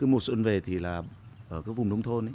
mùa xuân về thì là ở các vùng nông thôn